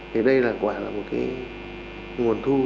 thì đây là quả là một kế hoạch